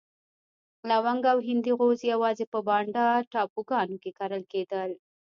لونګ او هندي غوز یوازې په بانډا ټاپوګانو کې کرل کېدل.